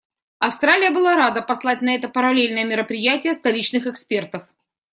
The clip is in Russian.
Австралия была рада послать на это параллельное мероприятие столичных экспертов.